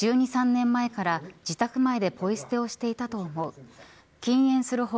また、１２、１３年前から自宅前でポイ捨てしていたと思う。